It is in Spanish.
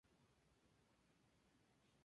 Se encuentra en India, Tailandia y Vietnam.